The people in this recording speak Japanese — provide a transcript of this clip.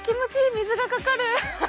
水がかかる！